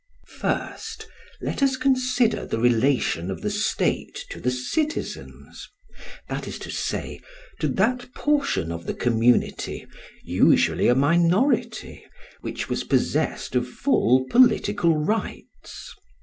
First, let us consider the relation of the state to the citizens that is to say, to that portion of the community, usually a minority, which was possessed of full political rights.